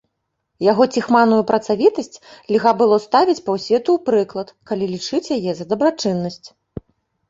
Яго ціхманую працавітасць льга было ставіць паўсвету ў прыклад, калі лічыць яе за дабрачыннасць.